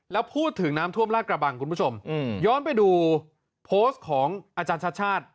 แล้วพูดถึงน้ำท่วมลาดกระบังคุณผู้ชมย้อนไปดูโพสต์ของอาจารย์ชาติชาติ